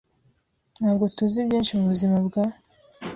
Ntabwo tuzi byinshi mubuzima bwa .